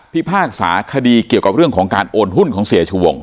พากษาคดีเกี่ยวกับเรื่องของการโอนหุ้นของเสียชูวง